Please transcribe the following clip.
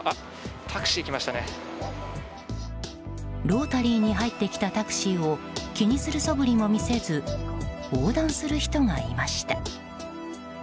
ロータリーに入ってきたタクシーを気にするそぶりも見せず横断する人がいました。